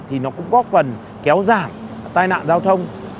thì nó cũng góp phần kéo giảm tai nạn giao thông